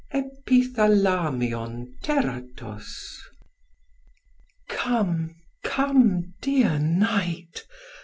Epithalamion Teratos. Come, come, dear Night!